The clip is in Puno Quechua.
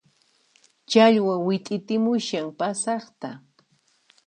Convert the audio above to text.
Challwa wit'itimushan pasaqta